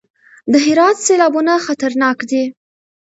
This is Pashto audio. د هرات سیلابونه خطرناک دي